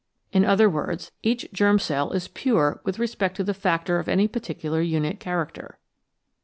In other words, each germ cell is "pure" with respect to the factor of any particular unit character.